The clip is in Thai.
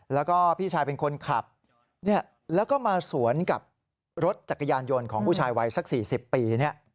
แล้วก็พี่ชายเป็นคนขับแล้วก็มาสวนกับรถจักรยานยนต์ของผู้ชายวัยสัก๔๐ปี